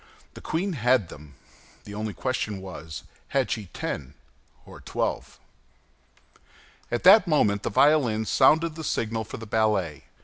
The queen had them. The only question was, had she ten or twelve? At that moment the violins sounded the signal for the ballet.